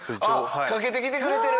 かけてきてくれてる！